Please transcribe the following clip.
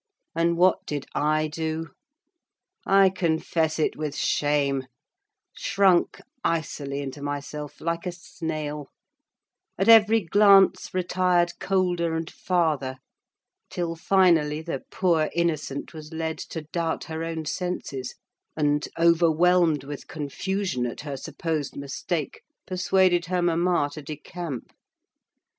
And what did I do? I confess it with shame—shrunk icily into myself, like a snail; at every glance retired colder and farther; till finally the poor innocent was led to doubt her own senses, and, overwhelmed with confusion at her supposed mistake, persuaded her mamma to decamp.